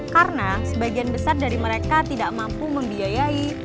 karena sebagian besar dari mereka tidak mampu membiayai